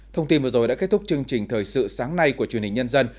thông tin vừa rồi đã kết thúc chương trình thời sự sáng nay của truyền hình nhân dân